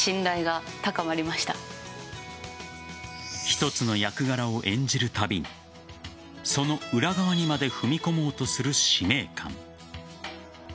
一つの役柄を演じるたびにその裏側にまで踏み込もうとする使命感。